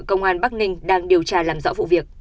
công an bắc ninh đang điều tra làm rõ vụ việc